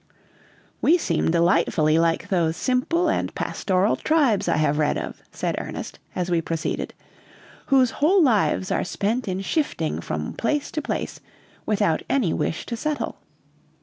"We seem delightfully like those simple and pastoral tribes I have read of," said Ernest, as we proceeded, "whose whole lives are spent in shifting from place to place, without any wish to settle."